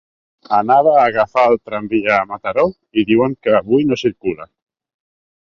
Anava a agafar el tramvia a Mataró i diuen que avui no circula.